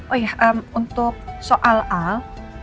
oh ya untuk soal al